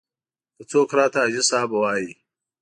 یو څوک راته حاجي صاحب وایي.